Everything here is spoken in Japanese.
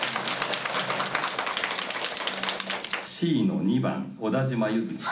Ｃの２番小田島優月さん。